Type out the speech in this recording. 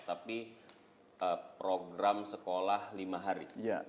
tapi program sekolah lima hari